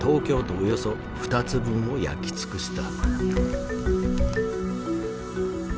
およそ２つ分を焼き尽くした。